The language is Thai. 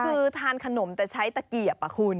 คือทานขนมแต่ใช้ตะเกียบคุณ